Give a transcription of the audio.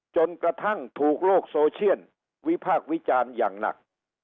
จนกระทั่งถูกโลกโซเชียลวิพากษ์วิจารณ์อย่างหนัก